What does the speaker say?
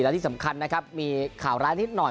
และที่สำคัญนะครับมีข่าวร้ายนิดหน่อย